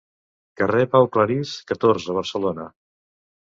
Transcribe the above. Carrer Pau Claris, catorze Barcelona.